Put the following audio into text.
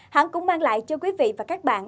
hãng cũng mang lại cho quý vị và các bạn